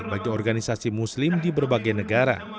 bagi organisasi muslim di berbagai negara